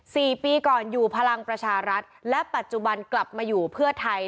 สี่ปีก่อนอยู่พลังประชารัฐและปัจจุบันกลับมาอยู่เพื่อไทย